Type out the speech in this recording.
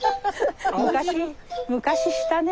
昔したね。